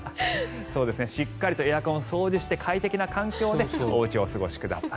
しっかりとエアコンを掃除して快適な環境でおうちでお過ごしください。